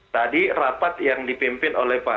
tadi rapat yang dipimpin oleh bupati goa